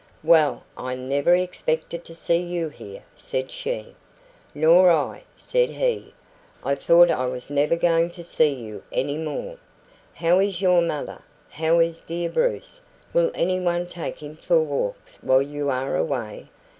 "Well, I never expected to see you here!" said she. "Nor I you," said he. "I thought I was never going to see you any more." "How is your mother? How is dear Bruce? Will anyone take him for walks while you are away?